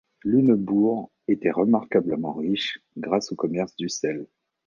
Lunebourg était remarquablement riche, grâce au commerce du sel.